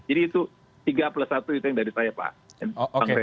jadi itu tiga plus satu itu yang dari saya pak